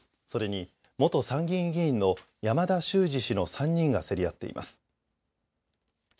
それに元参議院議員の山田修路氏の３人が競り合っています。